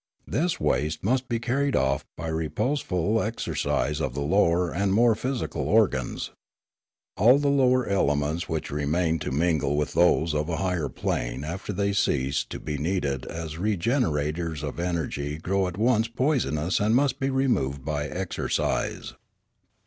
This waste must be car ried off by reposeful exercise of the lower and more physical organs. All the lower elements which remain Sleep, Rest, and Flight 27 to mingle with those of a higher plane after they cease to be needed as regenerators of energy grow at once poisonous and must be removed by exercise.